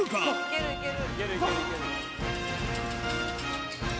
いけるいける！